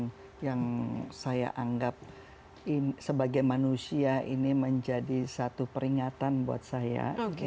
yang saya anggap sebagai manusia ini menjadi satu peringatan buat saya